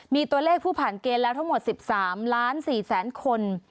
มีตัวเลขผู้ผ่านเกณฑ์แล้วทั้งหมด๑๓ล้าน๔แสนคน